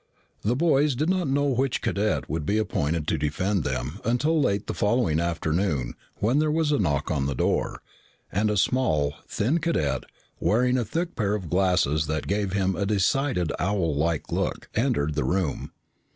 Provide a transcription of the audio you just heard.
The boys did not know which cadet would be appointed to defend them until late the following afternoon when there was a knock on the door, and a small, thin cadet, wearing a thick pair of eyeglasses that gave him a decided owllike look, entered the room.